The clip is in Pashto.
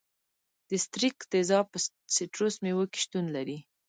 د ستریک تیزاب په سیتروس میوو کې شتون لري.